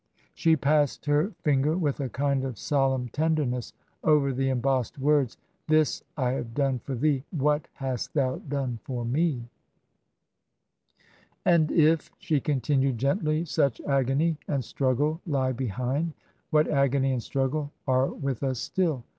She passed her finger with a kind of solemn tender ness over the embossed words :•• This have I done for thee; What hast thou done for Me /"* 88 TRANSITION. " And if," she continued, gently, " such agony and struggle lie behind, what agony and struggle are with us still